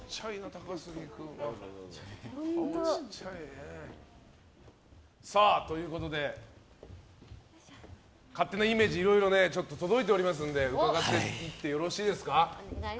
高杉君は。ということで、勝手なイメージいろいろ届いておりますんで伺っていってよろしいですか。